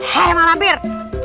hai malam bir